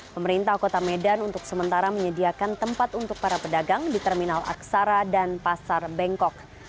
pemerintah kota medan untuk sementara menyediakan tempat untuk para pedagang di terminal aksara dan pasar bengkok